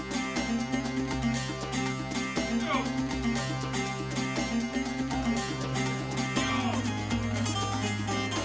menteri bunga bukit tenggara singapura